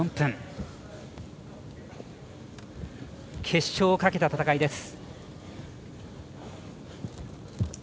決勝をかけた戦いです。